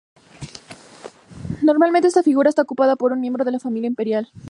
Normalmente esta figura era ocupada por un miembro de la familia imperial.